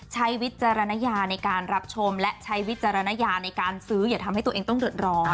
วิจารณญาในการรับชมและใช้วิจารณญาในการซื้ออย่าทำให้ตัวเองต้องเดือดร้อน